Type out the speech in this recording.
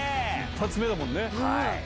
１発目だもんね。